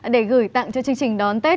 để gửi tặng cho chương trình đón tết